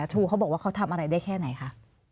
ทูเขาบอกว่าเขาทำอะไรได้แค่ไหนคะ